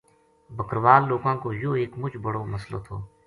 بکروال لوکاں کو یوہ ایک مُچ بڑو مسلو تھو۔